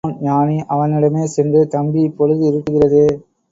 Solomon ஞானி அவனிடமே சென்று, தம்பி பொழுது இருட்டுகிறதே.